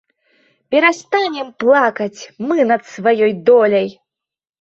Перастанем плакаць мы над сваёй доляй!